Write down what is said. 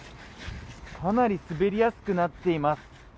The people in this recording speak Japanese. かなり滑りやすくなっています。